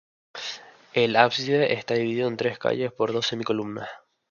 El ábside está dividido en tres calles por dos semicolumnas.